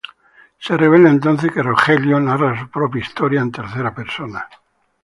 Se revela entonces que Rogelio narra su propia historia, en tercera persona.